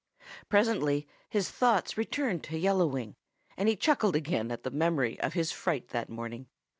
Presently his thoughts returned to Yellow Wing, and he chuckled again at the memory of his fright that morning.